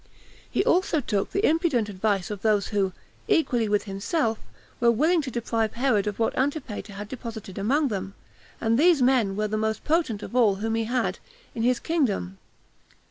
He also took the impudent advice of those who, equally with himself, were willing to deprive Herod of what Antipater had deposited among them; and these men were the most potent of all whom he had in his kingdom.